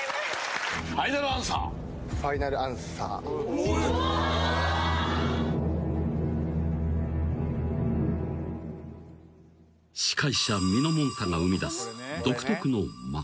「ファイナルアンサー」［司会者みのもんたが生みだす独特の間］